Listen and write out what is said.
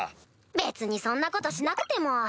・別にそんなことしなくても。